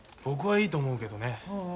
僕はいいと思うけどね。